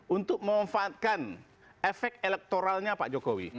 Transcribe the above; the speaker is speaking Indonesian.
untuk memanfaatkan efek elektoralnya pak jokowi